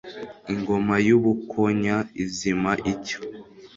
Ingoma y'u Bukonya izima ityo.